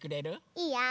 いいよ。